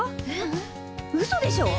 うそでしょ？